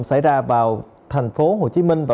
xảy ra vào tp hcm